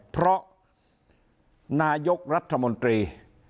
เพราะนายกรัฐมนตรี